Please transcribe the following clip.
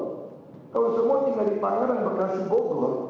kalau semua tinggal di panganan bekas gogor